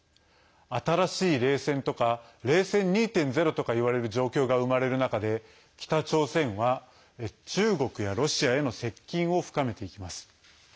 新しい冷戦とか冷戦２．０とかいわれる状況が生まれる中で北朝鮮は中国やロシアへの接近を深めていきます。